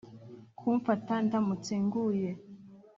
kumfata ndamutse nguye